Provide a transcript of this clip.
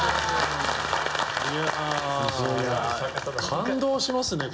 感動しますね！